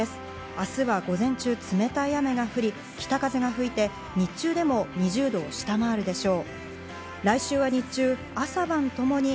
明日は午前中、冷たい雨が降り、北風が吹いて、日中でも２０度を下回るでしょう。